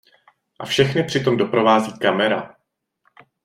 A všechny při tom doprovází kamera...